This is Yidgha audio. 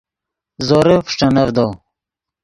زورے فݰٹینڤدو